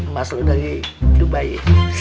mas lo dari dubai ya